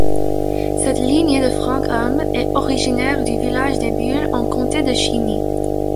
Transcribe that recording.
Cette lignée de francs-hommes est originaire du village des Bulles en comté de Chiny.